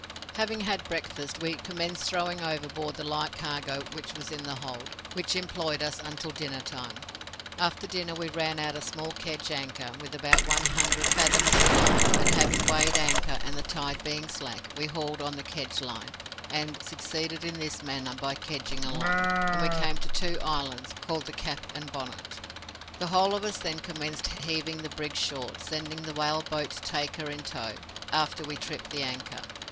"Having had breakfast, we commenced throwing overboard the light cargo which was in the hold, which employed us until dinnertime. After dinner we ran out a small kedge anchor with about one hundred fathoms of line, and having weighed anchor, and the tide being slack, we hauled on the kedge line, and succeeded in this manner by kedging along, and we came to two islands, called the Cap and Bonnet. The whole of us then commenced heaving the brig short, sending the whale boat to take her in tow, after we had tripped the anchor.